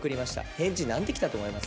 返事なんてきたと思います？